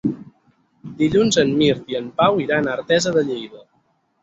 Dilluns en Mirt i en Pau iran a Artesa de Lleida.